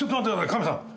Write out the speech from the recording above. カメさん。